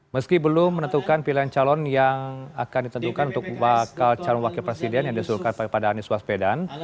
meski belum menentukan pilihan calon yang akan ditentukan untuk bakal calon wakil presiden yang diusulkan pada anies waspedan